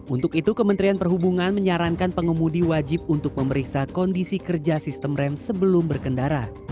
untuk itu kementerian perhubungan menyarankan pengemudi wajib untuk memeriksa kondisi kerja sistemnya